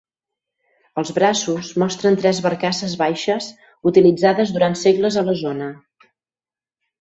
Els braços mostren tres barcasses baixes utilitzades durant segles a la zona.